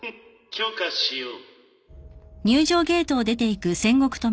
許可しよう。